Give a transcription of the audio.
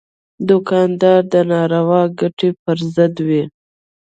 دوکاندار د ناروا ګټې پر ضد وي.